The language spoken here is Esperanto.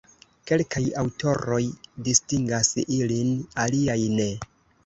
Kelkaj aŭtoroj distingas ilin, aliaj ne.